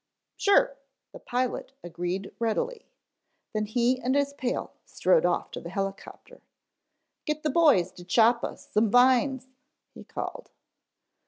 "Sure," the pilot agreed readily, then he and his pal strode off to the helicopter. "Get the boys to chop us some vines," he called.